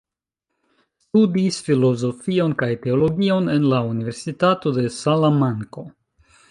Studis filozofion kaj teologion en la Universitato de Salamanko.